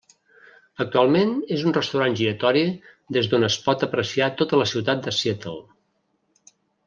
Actualment és un restaurant giratori des d'on es pot apreciar tota la ciutat de Seattle.